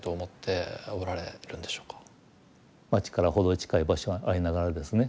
街から程近い場所にありながらですね